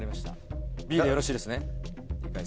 Ｂでよろしいですね？